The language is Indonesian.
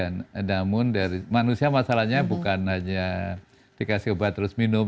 namun dari manusia masalahnya bukan hanya dikasih obat terus minum